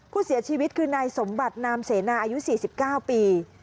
ผู้เสียชีวิตคือนายสมบัตินามเสนาอายุ๔๙ปี